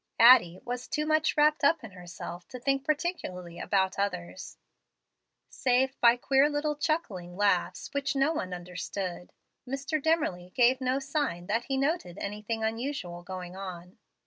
Addie was too much wrapped up in herself to think particularly about others. Save by queer little chuckling laughs, which no one understood, Mr. Dimmerly gave no sign that he noted any thing unusual going on.